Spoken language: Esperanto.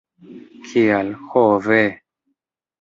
Kial, ho ve!